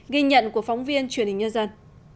ghi nhận của phóng viên truyền hình nhân dân